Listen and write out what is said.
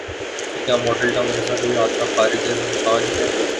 تو کیا Model Town جیسا کوئی حادثہ خارج از امکان ہے؟